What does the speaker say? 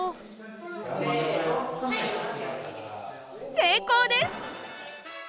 成功です！